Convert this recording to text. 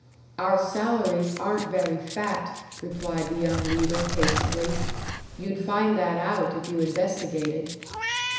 "Our salaries aren't very fat," replied the young leader, patiently. "You'd find that out if you investigated."